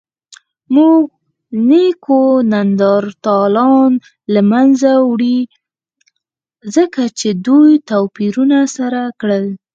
زموږ نیکونو نیاندرتالان له منځه وړي؛ ځکه چې دوی توپیرونه سره لرل.